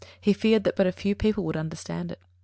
He feared that but few people would understand it.